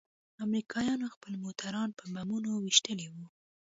امريکايانوخپل موټران په بمونو ويشتلي وو.